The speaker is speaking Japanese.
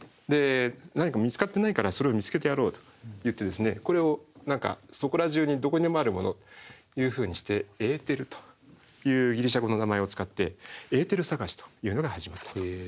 何か見つかってないからそれを見つけてやろうといってこれを何かそこら中にどこにでもあるものというふうにして「エーテル」というギリシャ語の名前を使ってエーテル探しというのが始まったということになります。